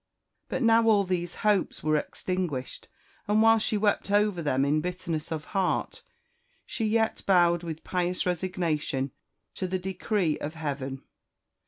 But now all these hopes were extinguished; and, while she wept over them in bitterness of heart, she yet bowed with pious resignation to the decree of heaven.